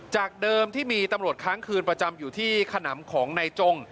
จากเดิมที่มีตำรวจค้างคืนประจำอยู่ที่ขนำของนายจง